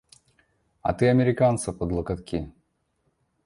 А ты американца под локотки!